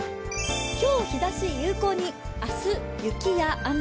きょう日ざし有効に、明日雪や雨。